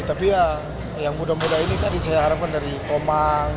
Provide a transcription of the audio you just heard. tapi ya yang muda muda ini tadi saya harapkan dari komang